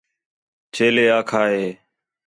چیلے آکھا ہِے